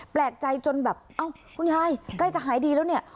แปลกใจจนแบบเอ้าคุณยายใกล้จะหายดีแล้วเนี่ย